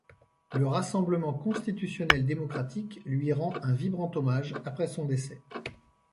Le Rassemblement constitutionnel démocratique lui rend un vibrant hommage après son décès.